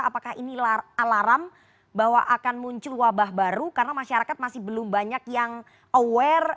apakah ini alarm bahwa akan muncul wabah baru karena masyarakat masih belum banyak yang aware